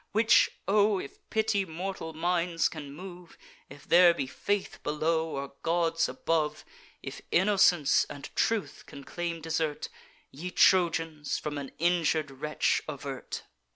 Which, O! if pity mortal minds can move, If there be faith below, or gods above, If innocence and truth can claim desert, Ye Trojans, from an injur'd wretch avert.